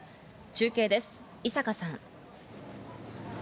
中継です、井坂さん。